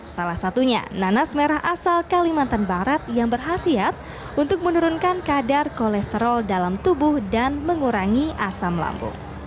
salah satunya nanas merah asal kalimantan barat yang berhasil untuk menurunkan kadar kolesterol dalam tubuh dan mengurangi asam lambung